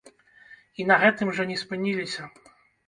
І на гэтым жа не спыніліся!